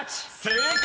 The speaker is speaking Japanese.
［正解！